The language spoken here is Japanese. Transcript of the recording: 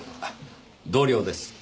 同僚です。